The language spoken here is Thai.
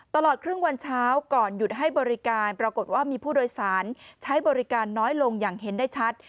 ตลอดครึ่งวันเช้าก่อนหยุดให้บริการปรากฏว่ามีผู้โดยสารใช้บริการน้อยลงอย่างเห็นได้ชัด